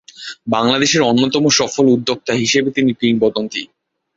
বাংলাদেশের অন্যতম সফল উদ্যোক্তা হিসেবে তিনি কিংবদন্তি।